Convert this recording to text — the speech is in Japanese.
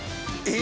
え！